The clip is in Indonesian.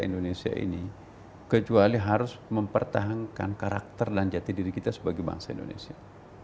indonesia ini kecuali harus mempertahankan karakter dan jati diri kita sebagai bangsa indonesia